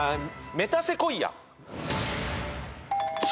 メタセコイア？